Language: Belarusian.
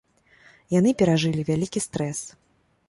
Яны перажылі вялікі стрэс.